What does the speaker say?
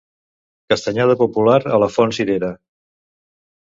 Castanyada popular a la font Cirera.